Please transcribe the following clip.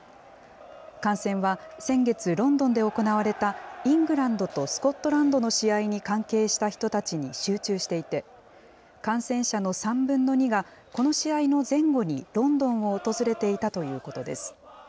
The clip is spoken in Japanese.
感染は先月、ロンドンで行われたイングランドとスコットランドの試合に関係した人たちに集中していて、感染者の３分の２が、この試合の前後にロンドンを訪れていたということです。